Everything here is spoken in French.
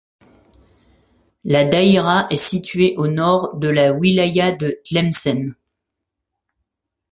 La daïra est située au nord de la wilaya de Tlemcen.